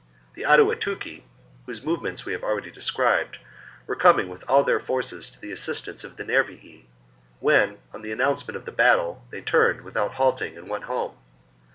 29. The Aduatuci, whose movements we have xheAdua already described, were coming with all their refuge in forces to the assistance of the Nervii, when, on LrforSsf the announcement of the battle, they turned with out halting and went home.